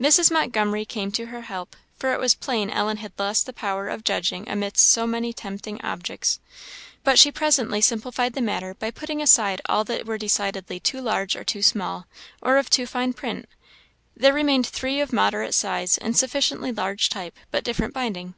Mrs. Montgomery came to her help, for it was plain Ellen had lost the power of judging amidst so many tempting objects. But she presently simplified the matter by putting aside all that were decidedly too large or too small, or of too fine print. There remained three of moderate size and sufficiently large type, but different binding.